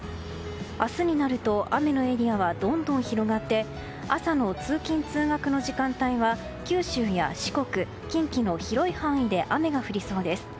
明日になると雨のエリアはどんどん広がって朝の通勤・通学の時間帯は九州や四国、近畿の広い範囲で雨が降りそうです。